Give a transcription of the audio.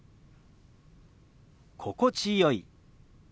「心地よい」。